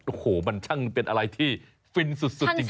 โอ้โหมันช่างเป็นอะไรที่ฟินสุดจริง